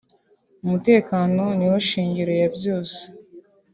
umutekano niwo shingiro ya byose